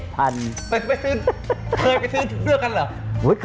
เคยไปซื้อทุกซื้อกันเหรอ